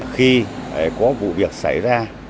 khi có vụ việc xảy ra